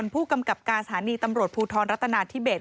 ผู้กำกับการศาลีตำรวจภูทรโรตนรัตนาธิเบช